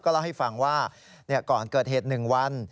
เล่าให้ฟังว่าก่อนเกิดเหตุ๑วัน